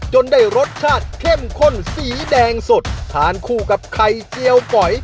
ได้รสชาติเข้มข้นสีแดงสดทานคู่กับไข่เจียวฝอย